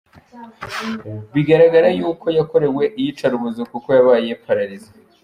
Bigaragara y’uko yakorewe iyicarubozo kuko yabaye Paralyse.